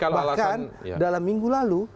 bahkan dalam minggu lalu